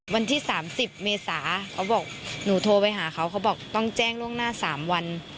วันที่๓๐เมษาเขาบอกหนูโทรไปหาเขาเขาบอกต้องแจ้งล่วงหน้า๓วัน